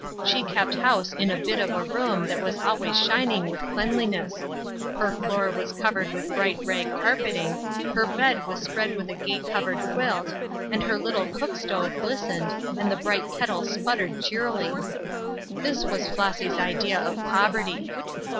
She kept house in a bit of a room that was always shining with cleanliness; her floor was covered with bright rag carpeting; her bed was spread with a gay covered quilt, and her little cook stove glistened, and the bright teakettle sputtered cheerily. This was Flossy's idea of poverty.